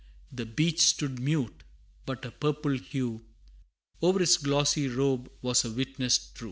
The beech stood mute, but a purple hue O'er its glossy robe was a witness true.